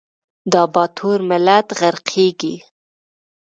دا باتور ملت غرقیږي